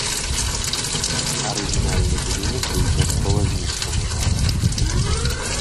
Арыгінальны будынак быў часткова знішчаны.